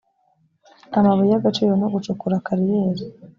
amabuye y agaciro no gucukura kariyeri